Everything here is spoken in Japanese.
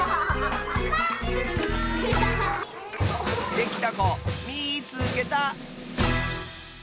できたこみいつけた！